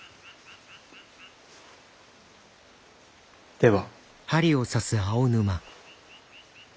では。